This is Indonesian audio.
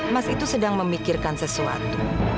mas itu sedang memikirkan sesuatu